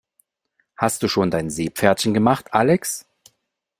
Hast du schon dein Seepferdchen gemacht, Alex?